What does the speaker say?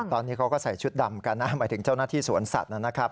ตอนนี้เขาก็ใส่ชุดดำกันนะหมายถึงเจ้าหน้าที่สวนสัตว์นะครับ